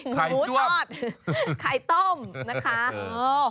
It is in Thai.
ไข่ต้มนะคะ